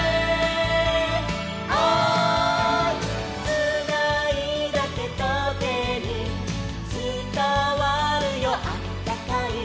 「つないだてとてにつたわるよあったかい」